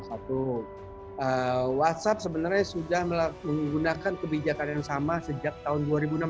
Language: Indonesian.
satu whatsapp sebenarnya sudah menggunakan kebijakan yang sama sejak tahun dua ribu enam belas